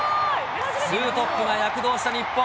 ツートップが躍動した日本。